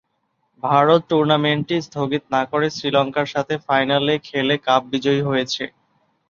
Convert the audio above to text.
ভারত টুর্নামেন্টটি স্থগিত না করে শ্রীলঙ্কার সাথে ফাইনালে খেলে কাপ বিজয়ী হয়েছে।